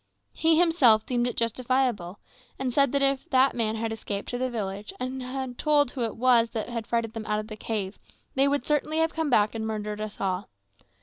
He himself deemed it justifiable, and said that if that man had escaped to the village, and told who it was that frightened them out of the cave, they would certainly have come back and murdered us all.